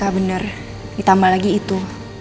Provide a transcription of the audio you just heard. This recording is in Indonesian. ya bener ditambah lagi itu